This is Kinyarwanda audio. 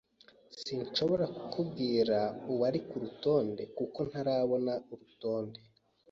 Sinshobora kukubwira uwari kurutonde kuko ntarabona urutonde.